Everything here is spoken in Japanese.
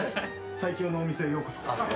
最強のお店へようこそ。